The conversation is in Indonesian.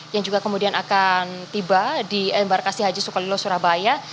yang juga kemudian akan tiba di embarkasi haji sukolilo surabaya